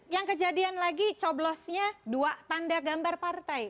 yang kejadian lagi coblosnya dua tanda gambar partai